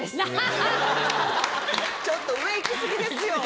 ちょっと。